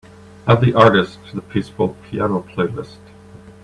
Add the artist to the peaceful piano playlist.